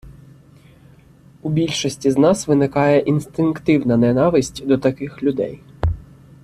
У більшості з нас виникає інстинктивна ненависть до таких людей.